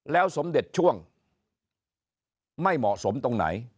แล้วสมเด็จช่วงไม่เหมาะสมตรงไหน